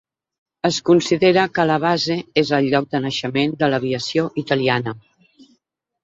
Es considera que la base és el lloc de naixement de l'aviació italiana.